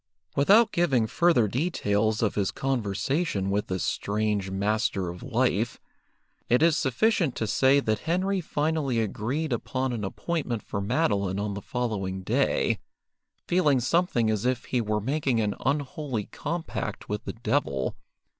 Without giving further details of his conversation with this strange Master of Life, it is sufficient to say that Henry finally agreed upon an appointment for Madeline on the following day, feeling something as if he were making an unholy compact with the devil.